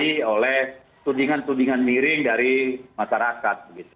tidak tercederai oleh tudingan tudingan miring dari masyarakat